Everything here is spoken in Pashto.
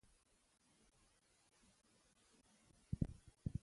خاوره د افغانستان د سیاسي جغرافیه یوه مهمه برخه ده.